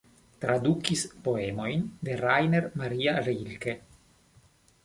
Tradukis poemojn de Rainer Maria Rilke.